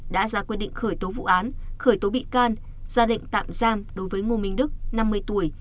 đã ra quyết định khởi tố vụ án khởi tố bị can ra lệnh tạm giam đối với ngô minh đức năm mươi tuổi